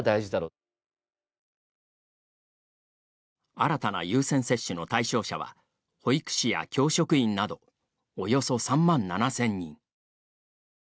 新たな優先接種の対象者は保育士や教職員などおよそ３万７０００人。